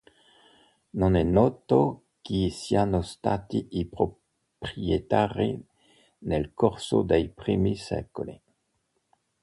Non è noto chi siano stati i proprietari nel corso dei primi secoli.